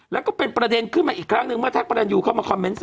แล้วก็เป็นประเด็นขึ้นมาอีกครั้งนึงเมื่อแท็กพระรันยูเข้ามาคอมเมนต